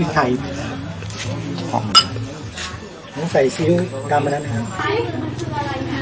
ต้องใส่ซิ้นกล้ามมานั่น